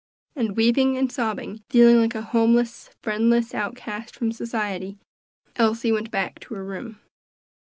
And weeping and sobbing, feeling like a homeless, friendless outcast from society, Elsie went back to her room.